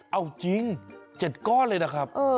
เอาจริง๗ก้อนเลยนะครับ